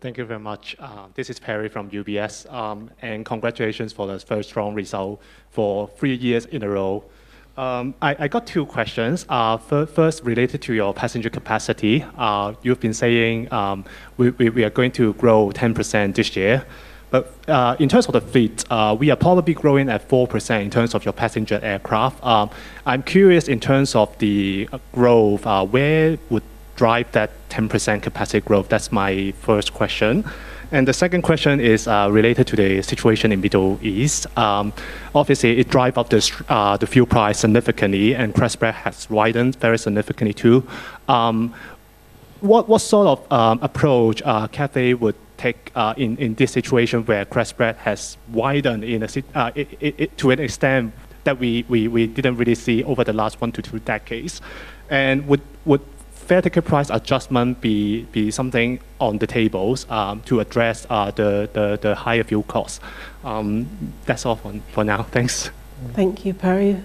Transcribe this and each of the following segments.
Thank you very much. This is Perry from UBS. Congratulations for the first strong result for three years in a row. I got two questions. First related to your passenger capacity. You've been saying, we are going to grow 10% this year. In terms of the fleet, we are probably growing at 4% in terms of your passenger aircraft. I'm curious in terms of the growth, what would drive that 10% capacity growth? That's my first question. The second question is related to the situation in Middle East. Obviously it drives up the fuel price significantly, and spread has widened very significantly too. What sort of approach Cathay would take in this situation where spread has widened to an extent that we didn't really see over the last one to two decades? Would fare ticket price adjustment be something on the table to address the higher fuel costs? That's all for now. Thanks. Thank you, Perry.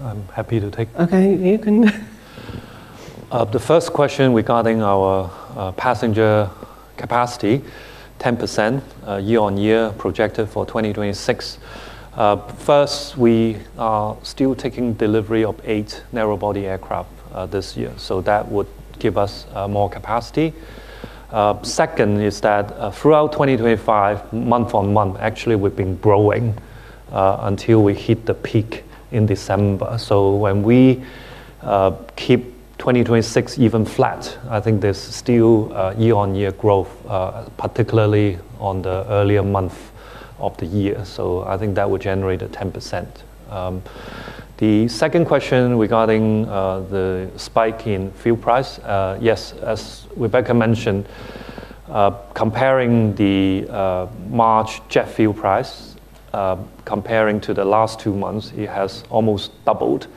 I'm happy to take the first question regarding our passenger capacity, 10% year-on-year projected for 2026. First, we are still taking delivery of eight narrow-body aircraft this year, so that would give us more capacity. Second is that throughout 2025, month-on-month, actually, we've been growing until we hit the peak in December. When we keep 2026 even flat, I think there's still year-on-year growth, particularly on the earlier month of the year. I think that would generate a 10%. The second question regarding the spike in fuel price, yes, as Rebecca mentioned, comparing the March jet fuel price to the last two months, it has almost doubled.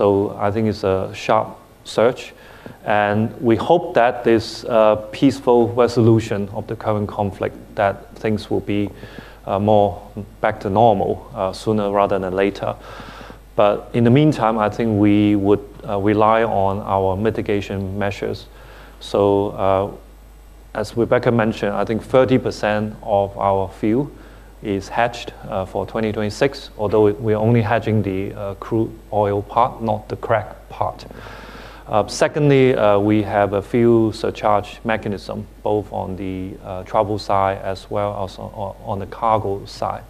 I think it's a sharp surge, and we hope that this peaceful resolution of the current conflict will mean that things will be more back to normal sooner rather than later. In the meantime, I think we would rely on our mitigation measures. As Rebecca mentioned, I think 30% of our fuel is hedged for 2026, although we're only hedging the crude oil part, not the crack part. Secondly, we have a fuel surcharge mechanism both on the travel side as well as on the cargo side.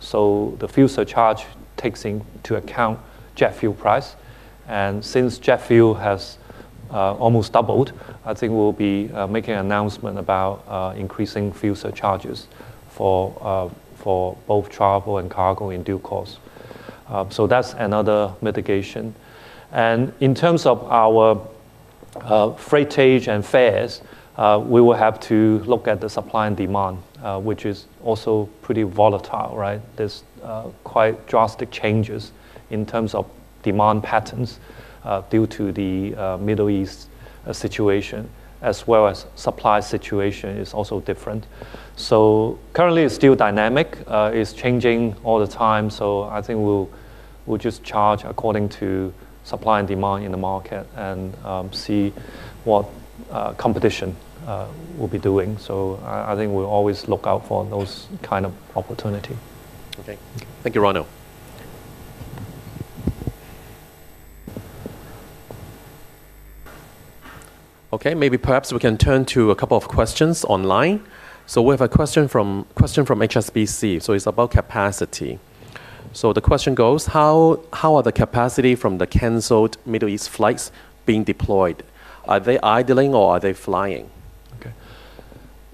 The fuel surcharge takes into account jet fuel price. Since jet fuel has almost doubled, I think we'll be making an announcement about increasing fuel surcharges for both travel and cargo in due course. That's another mitigation. In terms of our freightage and fares, we will have to look at the supply and demand, which is also pretty volatile, right? There's quite drastic changes in terms of demand patterns due to the Middle East situation as well as supply situation is also different. Currently it's still dynamic. It's changing all the time. I think we'll just charge according to supply and demand in the market and see what competition will be doing. I think we'll always look out for those kind of opportunity. Okay. Thank you, Ronald. Okay. Maybe perhaps we can turn to a couple of questions online. We have a question from HSBC, it's about capacity. The question goes, how are the capacity from the canceled Middle East flights being deployed? Are they idling or are they flying?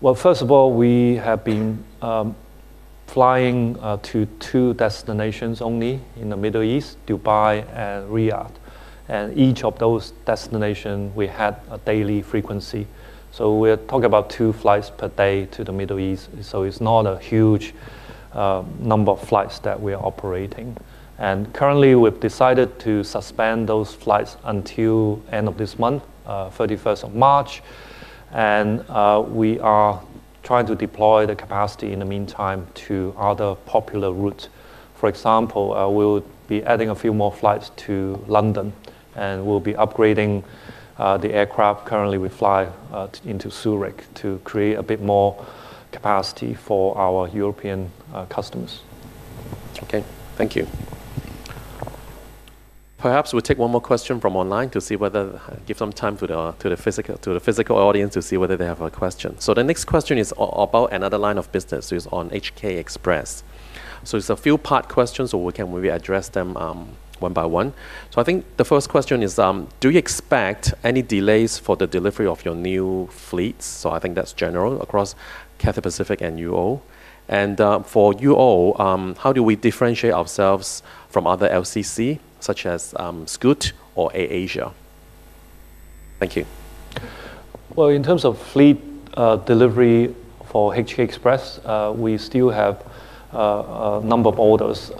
Well, first of all, we have been flying to two destinations only in the Middle East, Dubai and Riyadh. Each of those destinations, we had a daily frequency. We're talking about two flights per day to the Middle East. It's not a huge number of flights that we are operating. Currently, we've decided to suspend those flights until end of this month, 31st of March. We are trying to deploy the capacity in the meantime to other popular routes. For example, we would be adding a few more flights to London, and we'll be upgrading the aircraft currently we fly into Zurich to create a bit more capacity for our European customers. Okay. Thank you. Perhaps we'll take one more question from online to give some time to the physical audience to see whether they have a question. The next question is about another line of business, so it's on HK Express. It's a few part questions, so we can maybe address them one by one. I think the first question is, do you expect any delays for the delivery of your new fleets? I think that's general across Cathay Pacific and UO. For UO, how do we differentiate ourselves from other LCC such as Scoot or AirAsia? Thank you. Well, in terms of fleet delivery for HK Express, we still have a number of orders.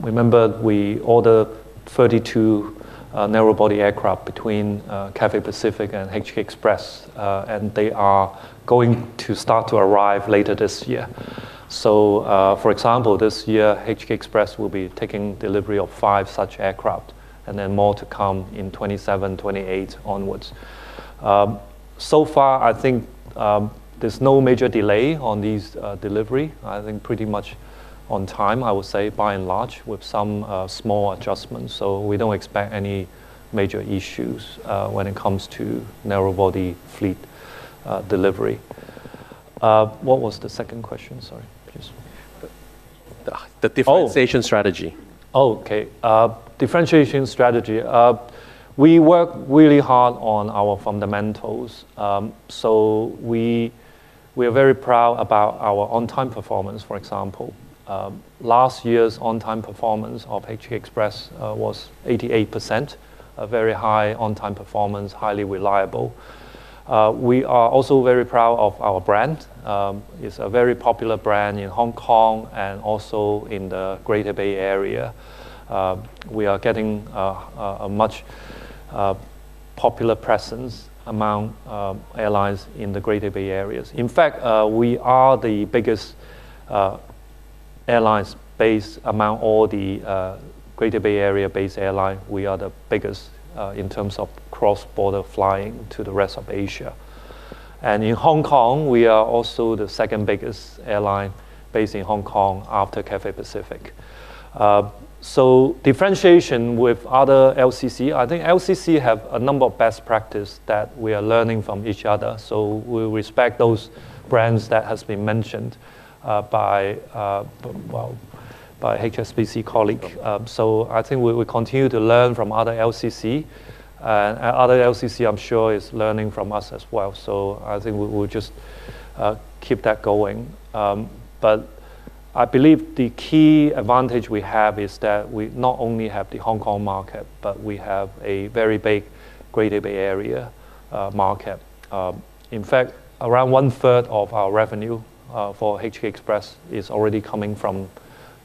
Remember we ordered 32 narrow-body aircraft between Cathay Pacific and HK Express, and they are going to start to arrive later this year. For example, this year, HK Express will be taking delivery of five such aircraft and then more to come in 2027, 2028 onward. So far, I think, there's no major delay on these delivery. I think pretty much on time, I would say, by and large, with some small adjustments. We don't expect any major issues when it comes to narrow-body fleet delivery. What was the second question? Sorry. Please. The differentiation strategy. Differentiation strategy. We work really hard on our fundamentals. We are very proud about our on-time performance, for example. Last year's on-time performance of HK Express was 88%, a very high on-time performance, highly reliable. We are also very proud of our brand. It's a very popular brand in Hong Kong and also in the Greater Bay Area. We are getting a much more popular presence among airlines in the Greater Bay Area. In fact, we are the biggest airline based among all the Greater Bay Area-based airlines. We are the biggest in terms of cross-border flying to the rest of Asia. In Hong Kong, we are also the second biggest airline based in Hong Kong after Cathay Pacific. Differentiation with other LCC. I think LCC have a number of best practices that we are learning from each other. We respect those brands that has been mentioned by well by HSBC colleague. I think we continue to learn from other LCC, and other LCC, I'm sure, is learning from us as well. I think we'll just keep that going. I believe the key advantage we have is that we not only have the Hong Kong market, but we have a very big Greater Bay Area market. In fact, around 1/3 of our revenue for HK Express is already coming from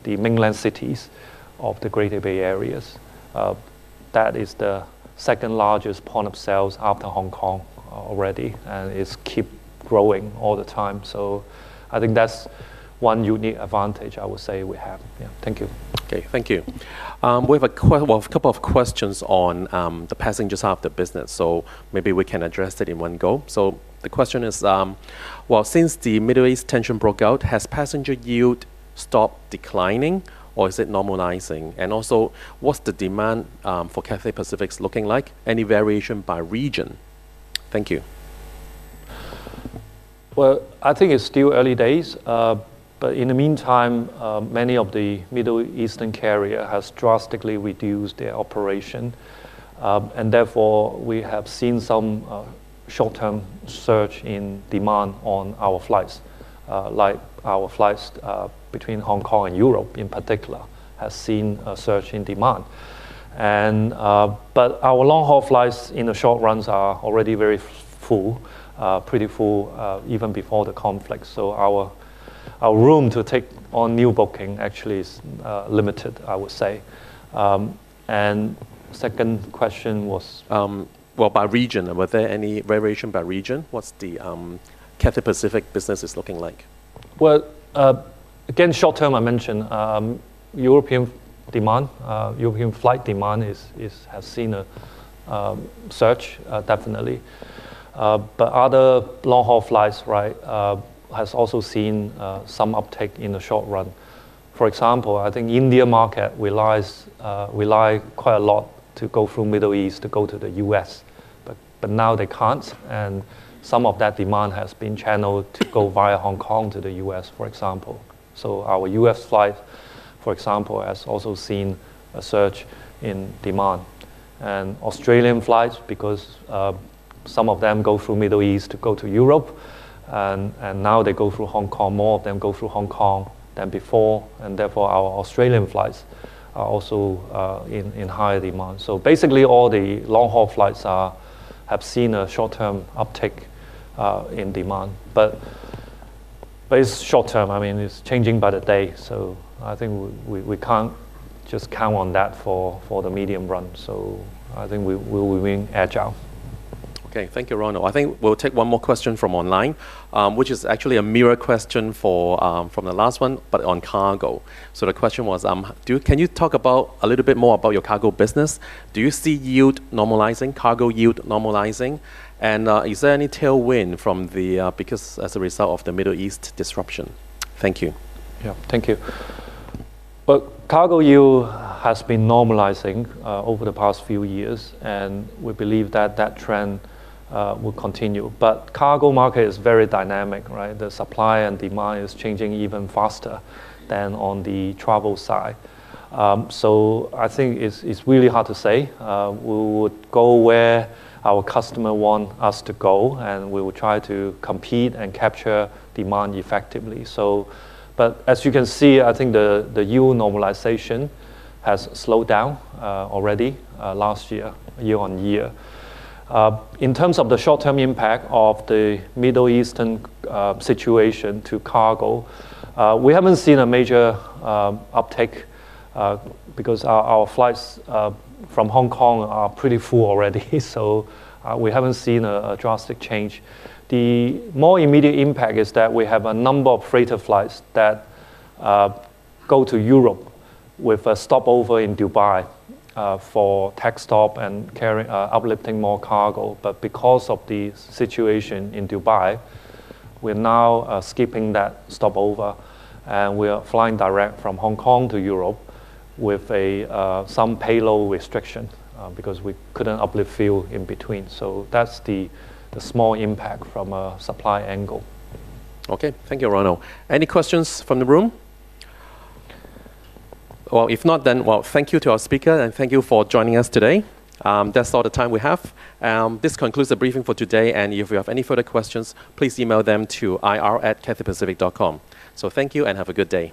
the mainland cities of the Greater Bay Area. That is the second largest point of sale after Hong Kong already, and it's keep growing all the time. I think that's one unique advantage I would say we have. Yeah. Thank you. Okay. Thank you. We have a couple of questions on the passenger side of the business, so maybe we can address it in one go. The question is, well, since the Middle East tension broke out, has passenger yield stopped declining or is it normalizing? Also, what's the demand for Cathay Pacific looking like? Any variation by region? Thank you. Well, I think it's still early days. In the meantime, many of the Middle Eastern carrier has drastically reduced their operation. Therefore, we have seen some short-term surge in demand on our flights. Like our flights between Hong Kong and Europe in particular has seen a surge in demand. Our long-haul flights in the short runs are already very full, pretty full, even before the conflict. Our room to take on new booking actually is limited, I would say. Second question was? Well, by region. Were there any variation by region? What's the Cathay Pacific businesses looking like? Well, again, short term, I mentioned, European flight demand has seen a surge definitely. Other long-haul flights, right, has also seen some uptick in the short run. For example, I think Indian market relies quite a lot to go through Middle East to go to the U.S. But now they can't, and some of that demand has been channeled to go via Hong Kong to the U.S., for example. Our U.S. flight, for example, has also seen a surge in demand. Australian flights, because some of them go through Middle East to go to Europe, and now they go through Hong Kong, more of them go through Hong Kong than before, and therefore, our Australian flights are also in high demand. Basically, all the long-haul flights have seen a short-term uptick in demand. It's short-term. I mean, it's changing by the day. I think we being agile. Okay. Thank you, Ronald. I think we'll take one more question from online, which is actually a mirror question for from the last one, but on cargo. The question was, Can you talk about a little bit more about your cargo business? Do you see yield normalizing, cargo yield normalizing? And is there any tailwind from the because as a result of the Middle East disruption? Thank you. Yeah. Thank you. Well, cargo yield has been normalizing over the past few years, and we believe that trend will continue. Cargo market is very dynamic, right? The supply and demand is changing even faster than on the travel side. I think it's really hard to say. We would go where our customer want us to go, and we will try to compete and capture demand effectively. As you can see, I think the yield normalization has slowed down already last year on year. In terms of the short-term impact of the Middle Eastern situation to cargo, we haven't seen a major uptake because our flights from Hong Kong are pretty full already. We haven't seen a drastic change. The more immediate impact is that we have a number of freighter flights that go to Europe with a stopover in Dubai for tech stop and carry uplifting more cargo. Because of the situation in Dubai, we're now skipping that stopover, and we are flying direct from Hong Kong to Europe with some payload restriction because we couldn't uplift fuel in between. That's the small impact from a supply angle. Okay. Thank you, Ronald Lam. Any questions from the room? Well, if not, then, well, thank you to our speaker, and thank you for joining us today. That's all the time we have. This concludes the briefing for today, and if you have any further questions, please email them to ir@cathaypacific.com. Thank you and have a good day.